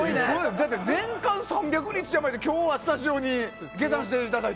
だって、年間３００日山にいて今日はスタジオに下山していただいて。